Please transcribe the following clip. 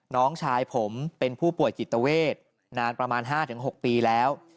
น้องชายผมเป็นผู้ป่วยจิตเวทนานประมาณ๕๖ปีแล้ว